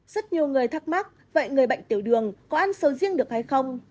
rất nhiều người thắc mắc vậy người bệnh tiểu đường có ăn sầu riêng được hay không